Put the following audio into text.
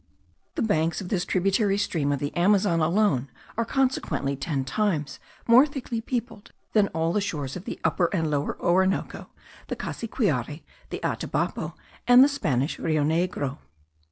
The banks of this tributary stream of the Amazon alone are consequently ten times more thickly peopled than all the shores of the Upper and Lower Orinoco, the Cassiquiare, the Atabapo, and the Spanish Rio Negro.